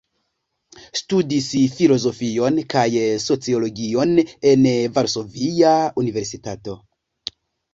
Studis filozofion kaj sociologion en Varsovia Universitato.